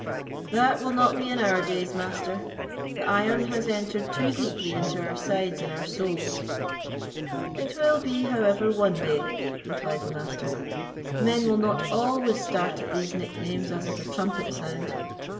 "That will not be in our days, Master: the iron has entered too deeply into our sides and our souls." "It will be, however, one day," replied the Master; "men will not always start at these nicknames as at a trumpet sound.